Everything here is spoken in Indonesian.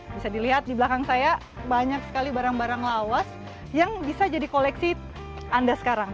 bisa dilihat di belakang saya banyak sekali barang barang lawas yang bisa jadi koleksi anda sekarang